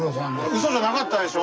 うそじゃなかったでしょ。